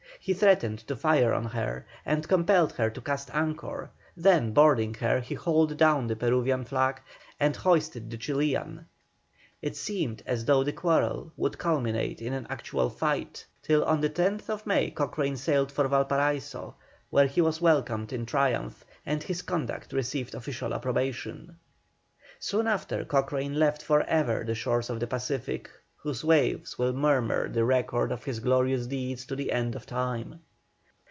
He threatened to fire on her and compelled her to cast anchor, then boarding her he hauled down the Peruvian flag and hoisted the Chilian. It seemed as though the quarrel would culminate in actual fighting, till on the 10th May Cochrane sailed for Valparaiso, where he was welcomed in triumph, and his conduct received official approbation. Soon after, Cochrane left for ever the shores of the Pacific, whose waves will murmur the record of his glorious deeds to the end of time.